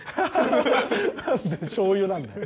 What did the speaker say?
なんでしょう油なんだよ